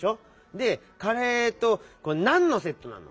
でカレーと「なんのセット」なの？